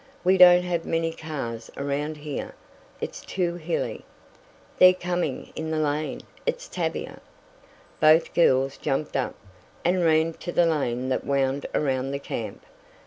"We don't have many cars around here, it's too hilly." "They're coming in the lane! It's Tavia!" Both girls jumped up, and ran to the lane that wound around the camp.